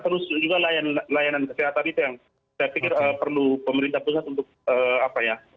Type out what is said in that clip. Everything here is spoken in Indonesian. terus juga layanan kesehatan itu yang saya pikir perlu pemerintah pusat untuk apa ya